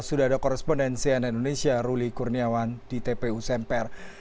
sudah ada korespondensian indonesia ruli kurniawan di tpu semper